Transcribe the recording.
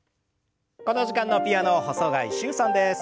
この時間のピアノ細貝柊さんです。